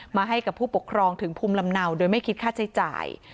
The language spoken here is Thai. มาให้กับผู้ปกครองถึงภูมิลำเนาโดยไม่คิดค่าใช้จ่าย